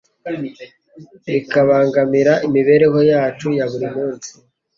bikabangamira imibereho yacu ya buri munsi